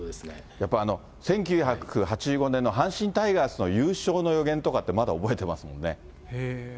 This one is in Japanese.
やっぱり１９８５年の阪神タイガースの優勝の予言とかって、まだ覚えてますものね。